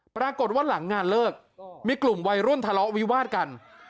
ปรากฏว่าหลังงานเลิกมีกลุ่มวัยรุ่นทะเลาะวิวาดกัน